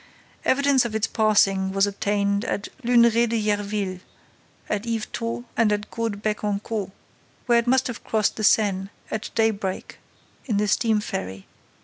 Evidence of its passing was obtained at Luneray at Yerville, at Yvetot and at Caudebec en Caux, where it must have crossed the Seine at daybreak in the steam ferry.